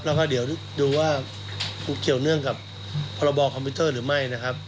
แล้วก็เดี๋ยวดูว่าเกี่ยวเนื่องกับพรบคอมพิวเตอร์หรือไม่นะครับ